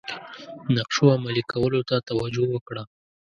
نقشو عملي کولو ته توجه وکړه.